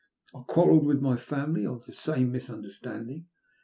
I quarrelled with my family on the same misunderstanding.